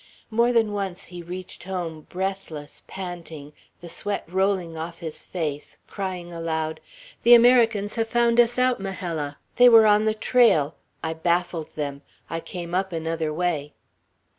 More than once he reached home, breathless, panting, the sweat rolling off his face, crying aloud, "The Americans have found us out, Majella! They were on the trail! I baffled them. I came up another way."